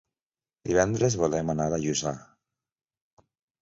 Divendres volem anar a Lluçà.